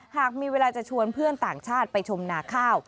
หากมีเวลาจะชวนเพื่อนต่างชาติไปชมนาข้าว